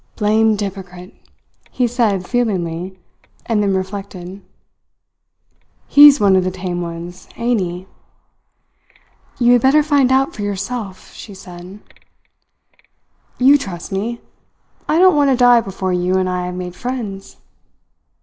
"Blamed 'yporcrit," he said feelingly, and then reflected: "He's one of the tame ones, ain't he?" "You had better find out for yourself," she said. "You trust me. I don't want to die before you and I have made friends."